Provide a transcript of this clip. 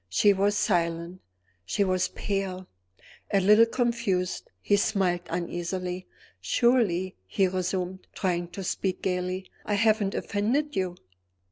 She was silent; she was pale. A little confused, he smiled uneasily. "Surely," he resumed, trying to speak gayly, "I haven't offended you?"